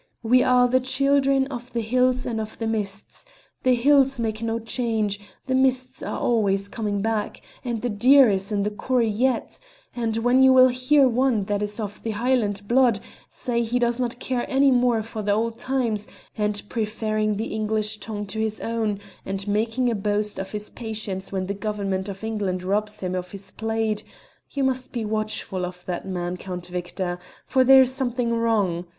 We are the children of the hills and of the mists; the hills make no change, the mists are always coming back, and the deer is in the corrie yet, and when you will hear one that is of the Highland blood say he does not care any more for the old times, and preferring the English tongue to his own, and making a boast of his patience when the Government of England robs him of his plaid, you must be watchful of that man, Count Victor. For there is something wrong.